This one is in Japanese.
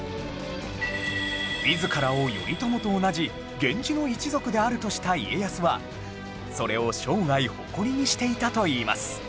自らを頼朝と同じ源氏の一族であるとした家康はそれを生涯誇りにしていたといいます